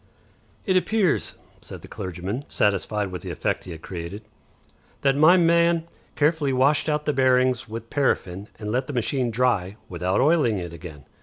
"It appears," said the clergyman, satisfied with the effect he had created, "that my man carefully washed out the bearings with paraffin, and let the machine dry without oiling it again.